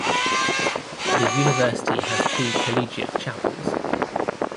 The University has two collegiate chapels.